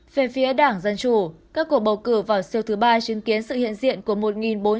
về phía đảng dân chủ các cuộc bầu cử vào siêu thứ ba chứng kiến sự hiện diện